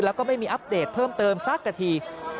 แล้วก็ไม่มีอัปเดตเพิ่มเติมสักกะที